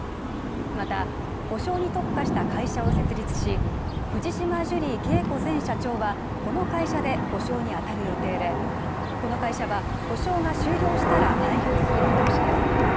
また、補償に特化した会社を設立し、藤島ジュリー景子前社長はこの会社で補償に当たる予定で、この会社は、補償が終了したら廃業する見通しです。